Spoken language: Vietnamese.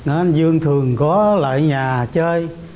anh dương thường có loại nhà chơi